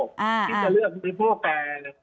ไม่ใช่ที่จะเลือกมีผู้แก